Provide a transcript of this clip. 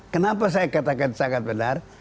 kenapa saya katakan sangat benar